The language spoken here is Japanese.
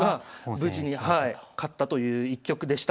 無事に勝ったという一局でした。